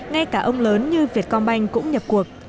ngay cả ông lớn như việtcom banh cũng nhập cuộc